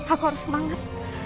aku harus semangat